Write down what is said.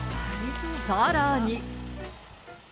さらに。